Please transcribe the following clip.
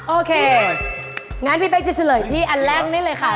โอเคงั้นพี่เป๊กจะเฉลยที่อันแรกได้เลยค่ะ